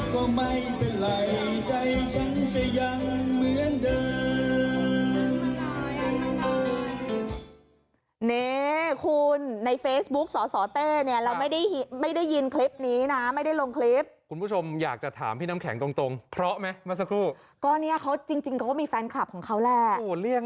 ก็ไม่เป็นไรใจฉันจะยังเหมือนเดิม